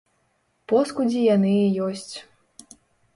Поскудзі яны і ёсць.